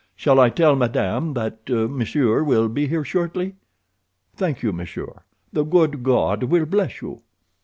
Shall I tell madame that monsieur will be here shortly? "Thank you, monsieur. The good God will bless you."